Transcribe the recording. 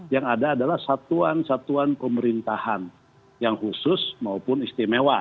yang ada adalah satuan satuan pemerintahan yang khusus maupun istimewa